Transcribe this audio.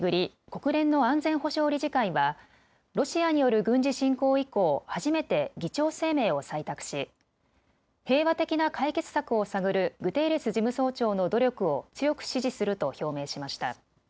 国連の安全保障理事会はロシアによる軍事侵攻以降、初めて議長声明を採択し平和的な解決策を探るグテーレス事務総長の努力を強く支持すると表明しました。